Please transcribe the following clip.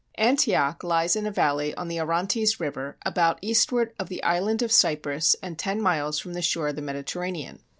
Antioch lies in a valley on the Orontes River, about eastward of the Island of Cyprus and ten miles from the shore of the Mediterranean.